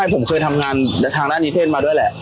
ใช่ผมเคยทำงานทางด้านนิทธศาสตร์มาด้วยแหละ